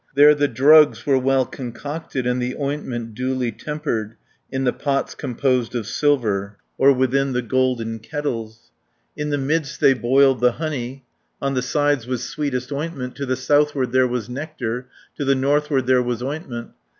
There the drugs were well concocted, And the ointment duly tempered In the pots composed of silver, Or within the golden kettles. 520 In the midst they boiled the honey, On the sides was sweetest ointment, To the southward there was nectar, To the northward there was ointment.